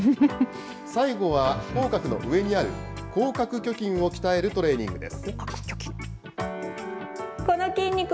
最後は口角の上にある、口角挙筋を鍛えるトレーニングです。